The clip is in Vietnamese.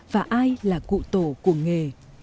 và ai là cụ tổ của nghề